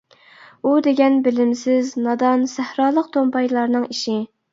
ئۇ دېگەن بىلىمسىز، نادان سەھرالىق تومپايلارنىڭ ئىشى.